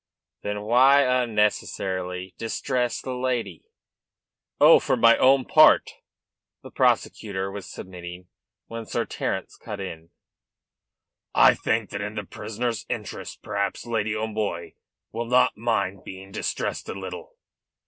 "Then why unnecessarily distress this lady?" "Oh, for my own part, sir " the prosecutor was submitting, when Sir Terence cut in: "I think that in the prisoner's interest perhaps Lady O'Moy will not mind being distressed a little."